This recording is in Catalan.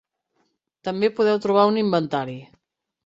També podreu trobar un inventari.